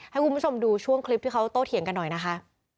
ให้คุณผู้ชมดูช่วงคลิปที่เขาโตเถียงกันหน่อยนะคะ